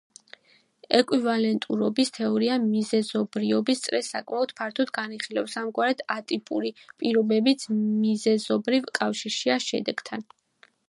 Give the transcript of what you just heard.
ეკვივალენტურობის თეორია მიზეზობრიობის წრეს საკმაოდ ფართოდ განიხილავს, ამგვარად ატიპური პირობებიც მიზეზობრივ კავშირშია შედეგთან.